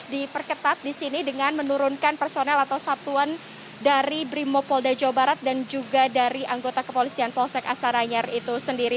harus diperketat disini dengan menurunkan personel atau satuan dari brimopolda jawa barat dan juga dari anggota kepolisian polsek astana anyar itu sendiri